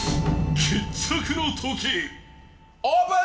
オープン！